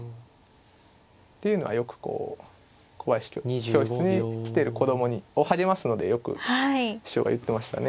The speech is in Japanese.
というのはよくこう小林教室に来てる子供を励ますのでよく師匠が言ってましたね。